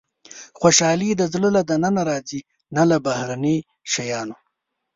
• خوشالي د زړه له دننه راځي، نه له بهرني شیانو.